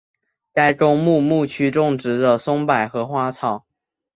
该公墓墓区种植着松柏和花草。